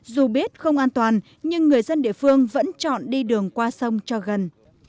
dù biết không an toàn nhưng người dân địa phương vẫn chọn đi đường qua sông cho gần